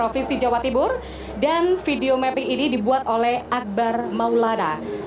video mapping ini dibuat oleh akbar maulana